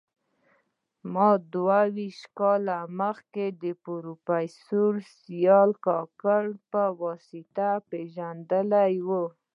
ما دوه ویشت کاله مخکي د پروفیسر سیال کاکړ په توسط پېژندلی و